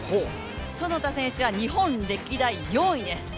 其田選手は日本歴代４位です。